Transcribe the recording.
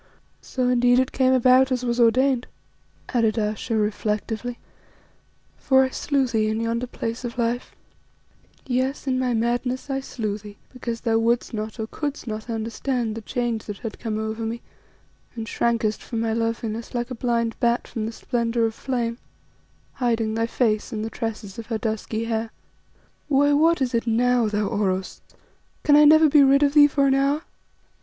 "So indeed it came about as was ordained," added Ayesha reflectively, "for I slew thee in yonder Place of Life, yes, in my madness I slew thee because thou wouldst not or couldst not understand the change that had come over me, and shrankest from my loveliness like a blind bat from the splendour of flame, hiding thy face in the tresses of her dusky hair Why, what is it now, thou Oros? Can I never be rid of thee for an hour?"